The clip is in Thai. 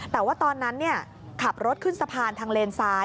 แต่ว่าตอนนั้นขับรถขึ้นสะพานทางเลนซ้าย